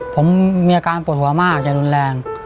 ผมมีอาการปวดหัวมากจะรุนแรง